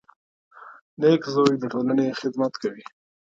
• نېک زوی د ټولنې خدمت کوي.